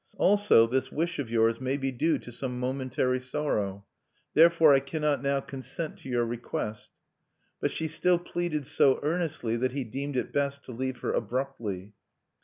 Also this wish of yours may be due to some momentary sorrow. Therefore, I cannot now consent to your request.' But she still pleaded so earnestly, that he deemed it best to leave her abruptly.